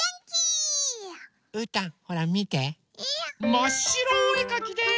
まっしろおえかきです！